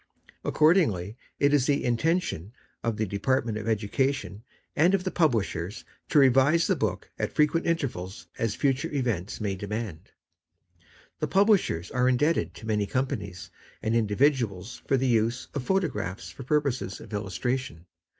Accordingly, it is the intention of the Department of Education and of the Publishers to revise the book at frequent intervals as future events may demand. n The Publishers are indebted to many companies, and individuals for the use of photo graphs for purposes of illustration.